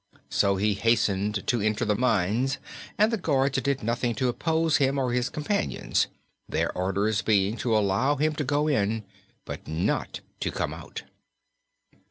So he hastened to enter the mines and the guards did nothing to oppose him or his companions, their orders being to allow him to go in but not to come out.